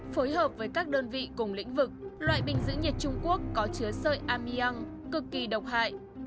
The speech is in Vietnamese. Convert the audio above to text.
phối hợp với các đơn vị cùng lĩnh vực loại bình giữ nhiệt trung quốc có chứa sợi amian cực kỳ độc hại